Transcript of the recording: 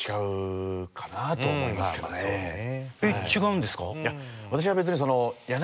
えっ違うんですか？